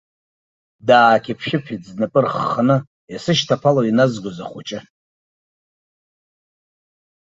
Даақьыпшәыпит, знапы рхханы, исышьклаԥало иназгоз ахәыҷы.